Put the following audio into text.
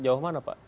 jauh mana pak